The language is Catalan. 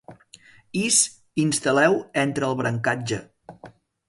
Is instal·leu entre el brancatge.